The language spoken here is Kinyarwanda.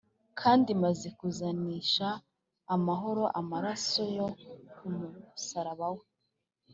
Kandi imaze kuzanisha amahoro amaraso yo ku musaraba we